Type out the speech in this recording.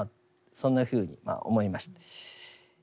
そんなふうに思いました。